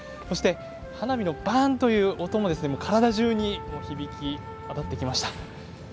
そして、花火のバンという音も体じゅうに響き渡ってきました。